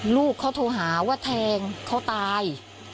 ลูกเขาโทรหาว่าแทงเขาตาย